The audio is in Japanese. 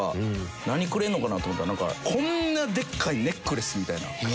何くれるのかなと思ったらなんかこんなでっかいネックレスみたいな。